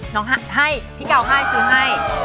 น้องให้พี่เก่าให้ซื้อให้